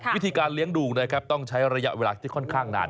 วิธีการเลี้ยงดูนะครับต้องใช้ระยะเวลาที่ค่อนข้างนาน